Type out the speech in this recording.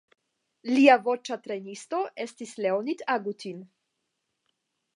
Lia voĉa trejnisto estis Leonid Agutin.